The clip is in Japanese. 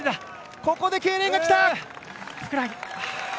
ここでけいれんが来た！